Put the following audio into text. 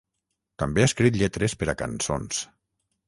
També ha escrit lletres per a cançons.